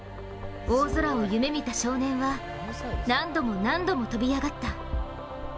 大空を夢見た少年は何度も何度も飛び上がった。